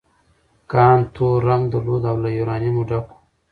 کان تور رنګ درلود او له یورانیم ډک و.